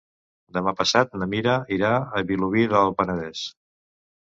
Demà passat na Mira irà a Vilobí del Penedès.